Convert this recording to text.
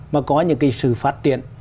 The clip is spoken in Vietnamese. mà có những cái sự phát triển